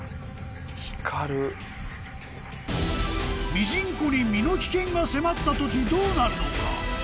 ミジンコに身の危険が迫った時どうなるのか？